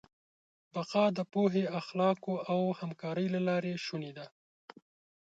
بقا د پوهې، اخلاقو او همکارۍ له لارې شونې ده.